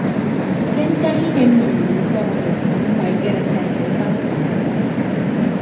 Ke ntak inem mmịn ye ukọt emi ọmmọ ekedatta nte akpan ufan ọmmọ.